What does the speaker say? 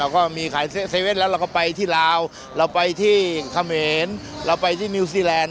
ใครที่ลาวเราไปที่เคมีนเราไปที่นิวซีแลนด์